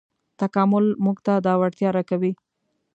تکامل موږ ته دا وړتیا راکوي.